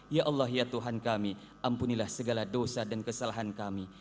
ya allah ya tuhan kami ampunilah segala dosa dan kesalahan kami